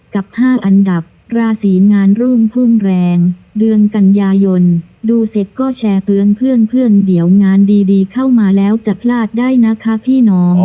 กับ๕อันดับราศีงานรุ่งพุ่งแรงเดือนกันยายนดูเสร็จก็แชร์เตือนเพื่อนเดี๋ยวงานดีเข้ามาแล้วจะพลาดได้นะคะพี่น้อง